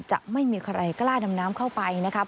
จะไม่มีใครกล้าดำน้ำเข้าไปนะครับ